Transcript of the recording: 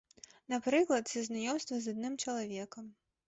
Напрыклад, са знаёмства з адным чалавекам.